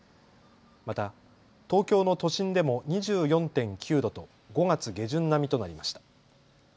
また東京の都心でも２４．９度と５月下旬並みとなりました。